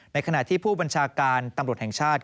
ขณะที่ผู้บัญชาการตำรวจแห่งชาติ